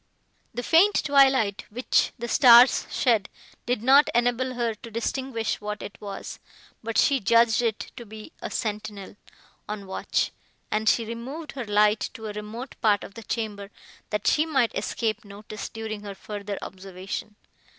The faint twilight, which the stars shed, did not enable her to distinguish what it was; but she judged it to be a sentinel, on watch, and she removed her light to a remote part of the chamber, that she might escape notice, during her further observation.